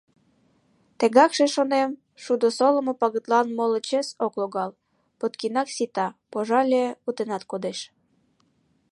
Тегакше, шонем, шудо солымо пагытлан моло чес ок логал, подкиндак сита; пожале, утенат кодеш.